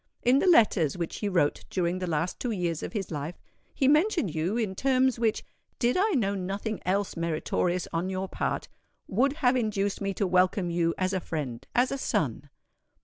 In the letters which he wrote during the last two years of his life, he mentioned you in terms which, did I know nothing else meritorious on your part, would have induced me to welcome you as a friend—as a son.